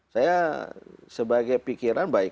saya sebagai pikiran